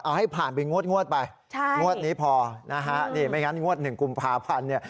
เอาให้ผ่านไปงวดไปใช่งวดนี้พอนะฮะนี่ไม่งั้นงวดหนึ่งกุมภาพันธ์เนี่ย